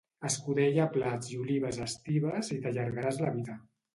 Escudella a plats i olives a estives i t'allargaràs la vida